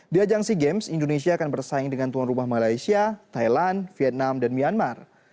di ajang sea games indonesia akan bersaing dengan tuan rumah malaysia thailand vietnam dan myanmar